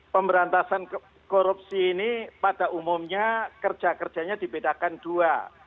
pemberantasan korupsi ini pada umumnya kerja kerjanya dibedakan dua